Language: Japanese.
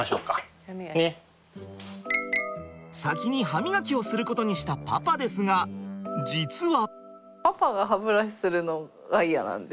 先に歯みがきをすることにしたパパですが実は。